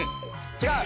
違う！